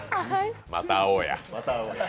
また会おうや。